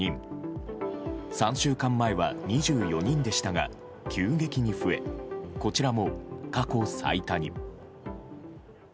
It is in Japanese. ３週間前は２４人でしたが急激に増え、こちらも過去最多に。